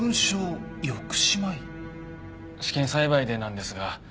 試験栽培でなんですが。